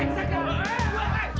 tidak ada idea sih